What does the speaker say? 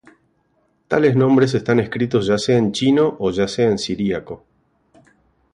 Tales nombres están escritos ya sea en chino o ya sea en siríaco.